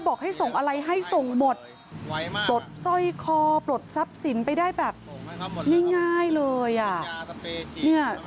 บอกให้ส่งอะไรให้ส่งหมดปลดสร้อยคอปลดทรัพย์สินไปได้แบบง่ายเลยอ่ะ